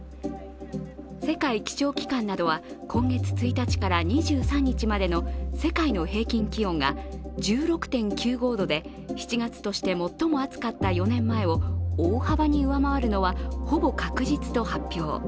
世界気象機関などは今月１日から２３日までの世界の平均気温が１６．９５度で７月として最も暑かった４年前を大幅に上回るのはほぼ確実と発表。